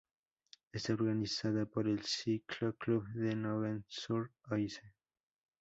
Está organizada por el Cyclo-club de Nogent-sur-Oise.